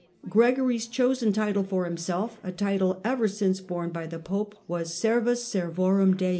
Gregory's chosen title for himself — a title ever since borne by the Popes — was " servus servorum Dei